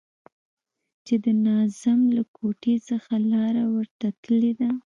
چې د ناظم له کوټې څخه لاره ورته تللې ده.